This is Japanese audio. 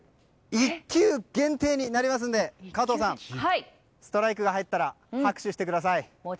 １球限定になりますので加藤さん、ストライクが入ったら拍手してください。